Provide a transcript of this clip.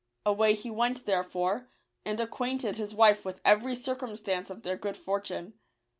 Away he went therefore, and acquainted his wife with every circumstance of their good fortune.